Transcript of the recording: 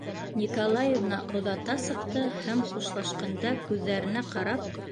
Николаевна оҙата сыҡты һәм хушлашҡанда күҙҙәренә ҡарап: